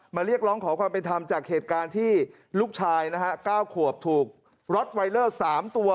เรียกร้องขอความเป็นธรรมจากเหตุการณ์ที่ลูกชายนะฮะ๙ขวบถูกรถไวเลอร์๓ตัว